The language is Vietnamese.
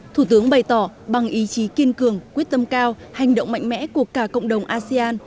thủ tướng bày tỏ bằng ý chí kiên cường quyết tâm cao hành động mạnh mẽ của cả cộng đồng asean